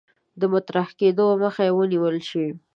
د مطرح کېدلو مخه یې ونیول شي.